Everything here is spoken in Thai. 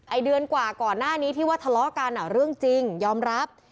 เดือนกว่าก่อนหน้านี้ที่ว่าทะเลาะกันอ่ะเรื่องจริงยอมรับ